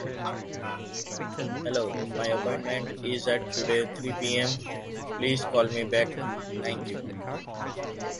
Daly was born in Liverpool, England, and educated in Ireland.